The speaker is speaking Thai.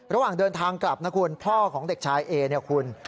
ระหว่างเดินทางกลับนะคุณพ่อของเด็กชายเอเนี่ยคุณ